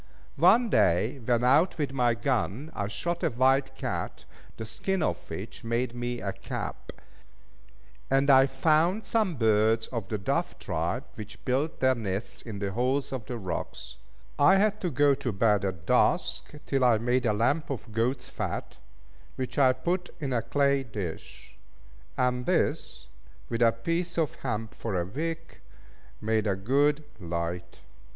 One day, when out with my gun, I shot a wild cat, the skin of which made me a cap; and I found some birds of the dove tribe, which built their nests in the holes of rocks. I had to go to bed at dusk, till I made a lamp of goat's fat, which I put in a clay dish; and this, with a piece of hemp for a wick, made a good light.